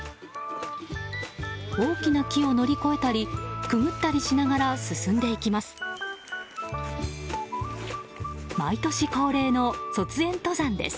大きな木を乗り越えたりくぐったりしながら進んでいきます。